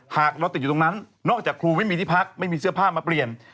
หากเราติดอยู่ตรงนั้นนอกจากครูไม่มีที่พักไม่มีเสื้อผ้ามาเปลี่ยน